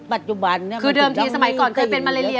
ปัจจุบันเนี่ยคือเดิมทีสมัยก่อนเคยเป็นมาเลเลีย